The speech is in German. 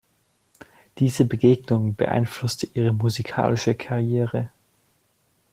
Diese Begegnung beeinflusste ihre musikalische Karriere.